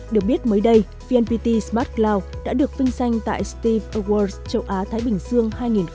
được biết mới đây vnpt smart cloud đã được phinh sanh tại steve awards châu á thái bình dương hai nghìn hai mươi